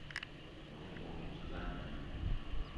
羅密歐與十三姨